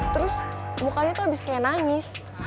terus mukanya tuh habis kayak nangis